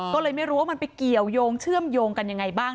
ก็เลยไม่รู้ว่ามันไปเกี่ยวยงเชื่อมโยงกันยังไงบ้าง